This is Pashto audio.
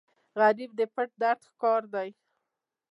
غریب د پټ درد ښکار دی